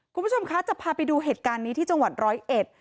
คุณผู้ชมคะจะพาไปดูเหตุการณ์นี้ที่จังหวัดร้อยเอ็ด